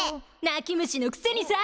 泣き虫のくせにさ！